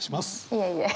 いえいえ。